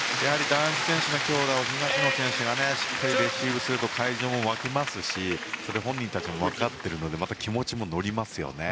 男子選手の強打を、東野選手がしっかりレシーブすると会場も沸きますしそれを本人たちも分かっているので気持ちも乗りますね。